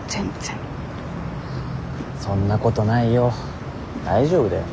そんなことないよ大丈夫だよ。